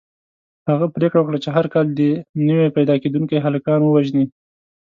هغه پرېکړه وکړه چې هر کال دې نوي پیدا کېدونکي هلکان ووژني.